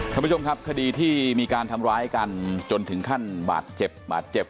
คุณผู้ชมครับคดีที่มีการทำร้ายกันจนที่ขั้นบาดเจ็บ